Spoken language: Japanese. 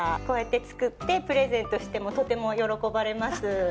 こうやって作ってプレゼントしてもとても喜ばれます。